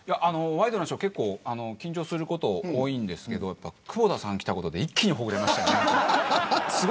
ワイドナショーは結構緊張すること多いんですけど久保田さんが来たことで一気にほぐれました。